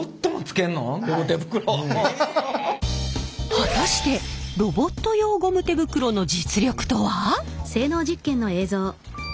果たしてロボット用ゴム手袋の実力とは？